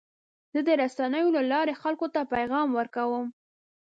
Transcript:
زه د رسنیو له لارې خلکو ته پیغام ورکوم.